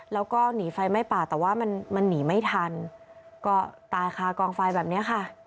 แล้วก็หนีไฟไหม้ป่าแต่ว่ามันมันหนีไม่ทันก็ตายคากองไฟแบบนี้ค่ะ